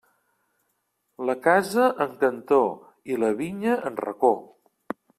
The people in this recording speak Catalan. La casa, en cantó; i la vinya, en racó.